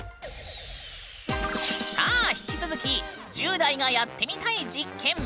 さあ引き続き「１０代がやってみたい実験」。